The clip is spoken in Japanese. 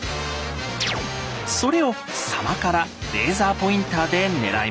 それを狭間からレーザーポインターで狙います。